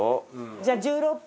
じゃあ１６分。